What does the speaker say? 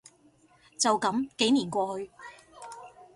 就噉幾年過去